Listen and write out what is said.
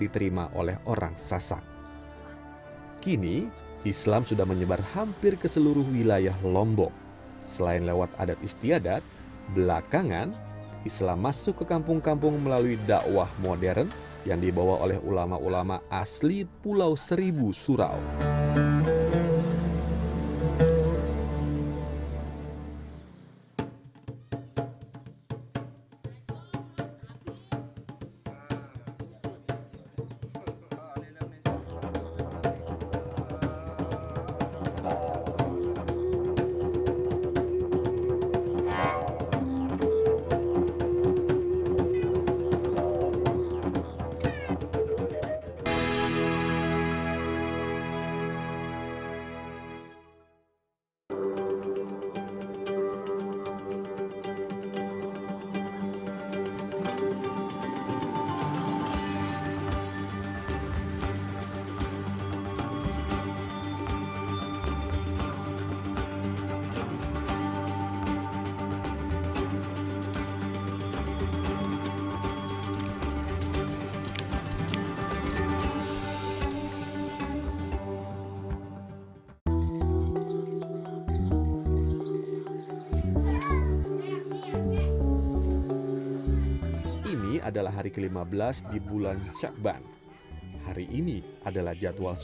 terima kasih terima kasih